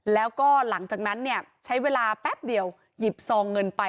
แล้วก็หลังจากนั้นเนี่ยใช้เวลาแป๊บเดียวหยิบซองเงินไป